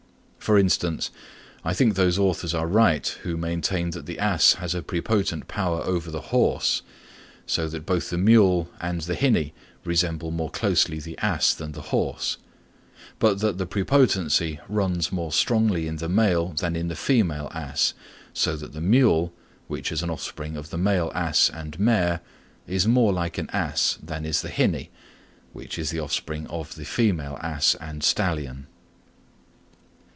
For instance, I think those authors are right who maintain that the ass has a prepotent power over the horse, so that both the mule and the hinny resemble more closely the ass than the horse; but that the prepotency runs more strongly in the male than in the female ass, so that the mule, which is an offspring of the male ass and mare, is more like an ass than is the hinny, which is the offspring of the female ass and stallion.